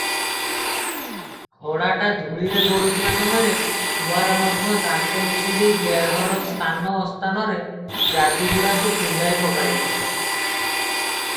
ଘୋଡ଼ାଟା ଧୂଳିରେ ଗଡୁଥିବା ସମୟରେ ସୁଆର ମଧ୍ୟ ଦାନ୍ତନିଷିଡ଼ି ଦେହର ସ୍ଥାନ ଅସ୍ଥାନରେ ଯାଦୁଗୁଡ଼ାକୁ କୁଣ୍ତେଇ ପକାଇଲେ ।